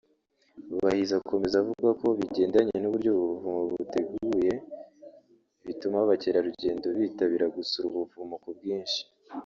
Bahizi akomeza avuga ko bigendanye n’uburyo ubu buvumo buteguye bituma abacyerarugendo bitabiragusura ubuvumo ku bwinshi